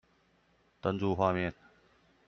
登入畫面